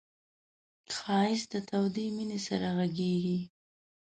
ښایست له تودې مینې سره غږېږي